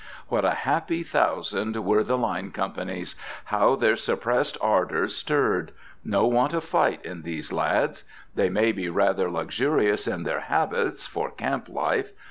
What a happy thousand were the line companies! How their suppressed ardors stirred! No want of fight in these lads! They may be rather luxurious in their habits, for camp life.